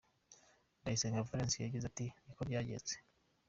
Ndayisenga Valens yagize ati “Ni ko byagenze.